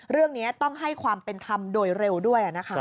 เรื่องนี้ต้องให้ความเป็นธรรมโดยเร็วด้วยนะคะ